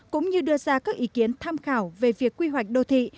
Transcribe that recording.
cũng như đưa ra các ý kiến tham khảo về việc quy hoạch đô thị